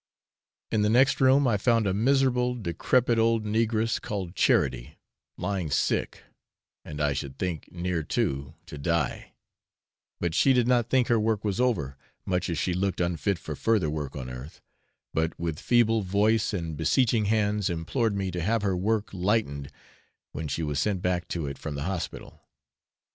In the next room, I found a miserable, decrepid, old negress, called Charity, lying sick, and I should think near too to die; but she did not think her work was over, much as she looked unfit for further work on earth; but with feeble voice and beseeching hands implored me to have her work lightened when she was sent back to it from the hospital.